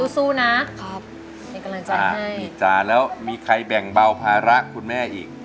สู้นะครับเป็นกำลังใจให้พี่จ๋าแล้วมีใครแบ่งเบาภาระคุณแม่อีก